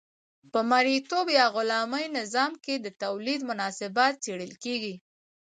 په مرئیتوب یا غلامي نظام کې د تولید مناسبات څیړل کیږي.